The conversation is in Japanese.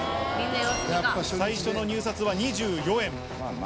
最初の入札は２４円。